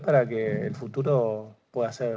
agar masa depan bisa menjadi berharga